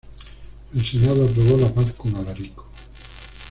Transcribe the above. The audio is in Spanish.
El Senado aprobó la paz con Alarico.